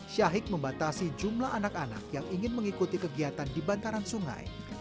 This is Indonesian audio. syahik membatasi jumlah anak anak yang ingin mengikuti kegiatan di bantaran sungai